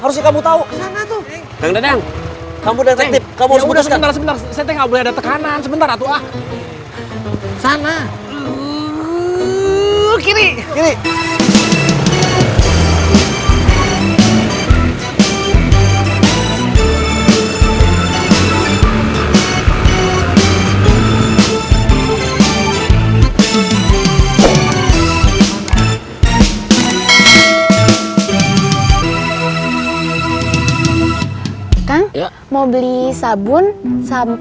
sampai jumpa lagi